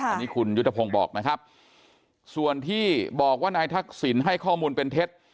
อันนี้คุณยุทธพงศ์บอกนะครับส่วนที่บอกว่านายทักษิณให้ข้อมูลเป็นเท็จ